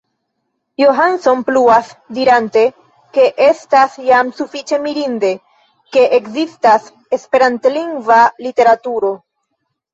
Johansson pluas dirante, ke estas jam sufiĉe mirinde, ke ekzistas esperantlingva literaturo.